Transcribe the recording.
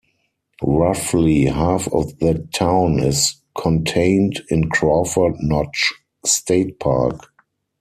Roughly half of that town is contained in Crawford Notch State Park.